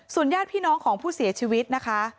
ญาติพี่น้องของผู้เสียชีวิตนะคะ